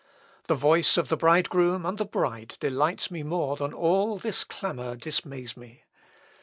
The voice of the Bridegroom and the bride delights me more than all this clamour dismays me.